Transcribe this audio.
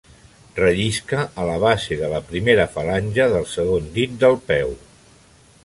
Rellisca a la base de la primera falange del segon dit del peu.